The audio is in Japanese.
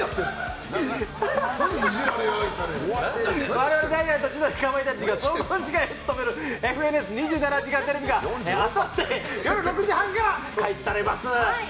我々、ダイアンと千鳥かまいたちが総合司会を務める「ＦＮＳ２７時間テレビ」があさって夜６時半から開始されます。